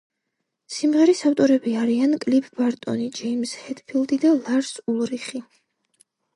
სიმღერის ავტორები არიან კლიფ ბარტონი, ჯეიმზ ჰეტფილდი და ლარს ულრიხი.